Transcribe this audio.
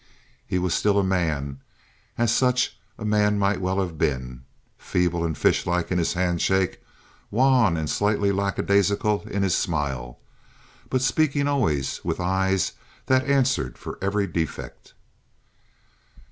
He was a still man, as such a man might well have been—feeble and fish like in his handshake, wan and slightly lackadaisical in his smile, but speaking always with eyes that answered for every defect.